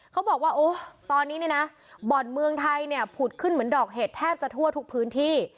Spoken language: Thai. เขาบอกว่าโอ้ตอนนี้เนี่ยนะบ่อนเมืองไทยเนี่ยผุดขึ้นเหมือนดอกเห็ดแทบจะทั่วทุกพื้นที่